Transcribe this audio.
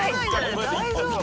大丈夫？